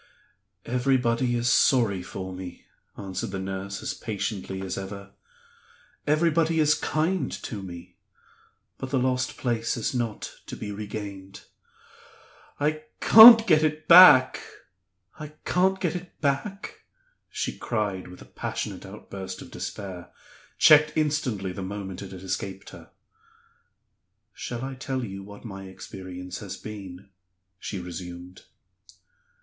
"Everybody is sorry for me," answered the nurse, as patiently as ever; "everybody is kind to me. But the lost place is not to be regained. I can't get back! I can't get back?" she cried, with a passionate outburst of despair checked instantly the moment it had escaped her. "Shall I tell you what my experience has been?" she resumed.